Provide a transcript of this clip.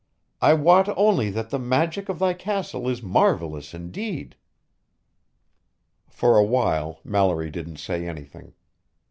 I wot only that the magic of thy castle is marvelous indeed." For a while, Mallory didn't say anything.